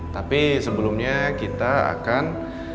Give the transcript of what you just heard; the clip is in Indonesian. tapi sebelumnya kita akan